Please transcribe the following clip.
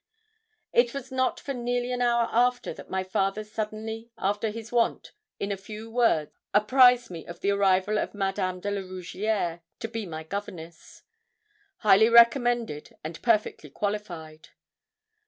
It was not for nearly an hour after, that my father suddenly, after his wont, in a few words, apprised me of the arrival of Madame de la Rougierre to be my governess, highly recommended and perfectly qualified.